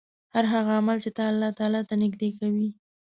هر هغه عمل چې تا الله تعالی ته نژدې کوي